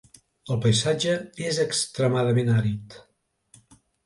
El paisatge és extremadament àrid.